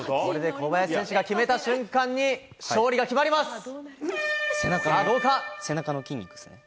これで小林選手が決めた瞬間に勝利が決まります。